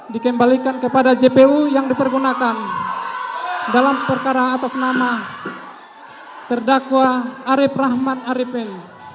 dikembalikan kepada jpu yang dipergunakan dalam perkara atas nama terdakwa arief rahman arifin